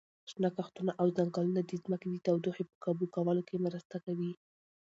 شنه کښتونه او ځنګلونه د ځمکې د تودوخې په کابو کولو کې مرسته کوي.